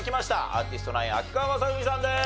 アーティストナイン秋川雅史さんです。